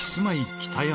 北山